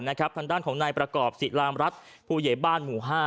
ทางด้านของนายประกอบศิลามรัฐผู้ใหญ่บ้านหมู่๕